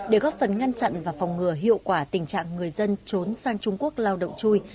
để góp phần ngăn chặn và phòng ngừa hiệu quả tình trạng người dân trốn sang trung quốc lao động chui